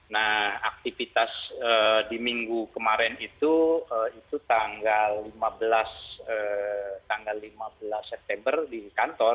nah aktivitas di minggu kemarin itu tanggal lima belas september di kantor